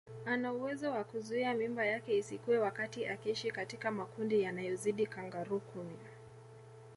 Ana uwezo wa kuzuia mimba yake isikue wakati akiishi katika makundi yanayozidi kangaroo kumi